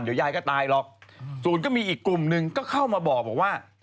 เดี๋ยวยายก็ตายหรอกศูนย์ก็มีอีกกลุ่มหนึ่งก็เข้ามาบอกว่า